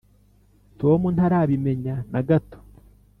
tom ntarabimenya na gato